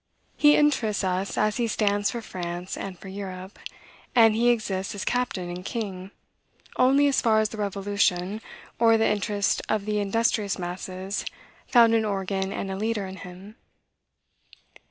He interests us as he stands for France and for Europe; and he exists as captain and king, only as far as the Revolution, or the interest of the industrious masses found an organ and a leader in him.